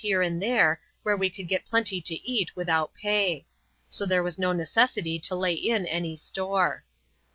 here and there, where we could get plenty to eat without pay; so there was no necessity to lay in any store.